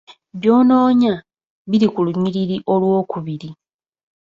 By'onoonya biri ku lunyiriri olw'okubiri.